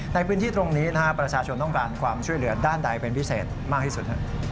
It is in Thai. ในพื้นที่ตรงนี้ประชาชนต้องการความช่วยเหลือด้านใดเป็นพิเศษมากที่สุด